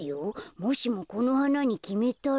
もしもこのはなにきめたら。